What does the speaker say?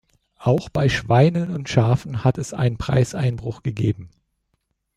Auch bei Schweinen und Schafen hat es einen Preiseinbruch gegeben.